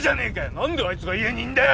なんであいつが家にいんだよ。